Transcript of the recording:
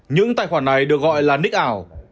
những tài khoản này được gọi là ních ảo